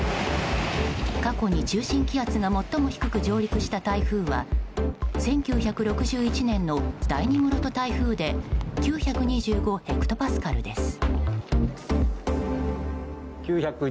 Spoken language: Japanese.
過去に中心気圧が最も低く上陸した台風は１９６１年の第２室戸台風で９２５ヘクトパスカルです。